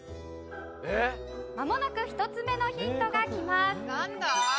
まもなく１つ目のヒントがきます。